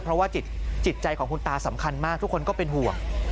เพราะว่าจิตใจของคุณตาสำคัญมากทุกคนก็เป็นห่วง